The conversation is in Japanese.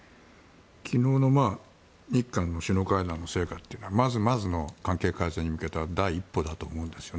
昨日の日韓の首脳会談の成果というのはまずまずの関係改善に向けた第一歩だと思うんです。